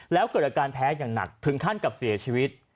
แล้วเกิดอาการแพ้อย่างหนักถึงขั้นกับเสียชีวิต